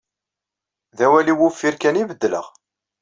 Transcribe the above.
D awal-iw uffir kan i beddleɣ.